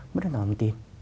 mất an toàn thông tin